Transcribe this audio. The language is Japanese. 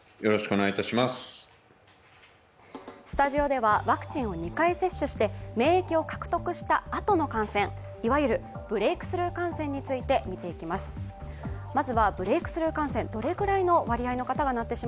スタジオではワクチンを２回接種して免疫を獲得したあとの感染いわゆるブレークスルー感染について見ていきます。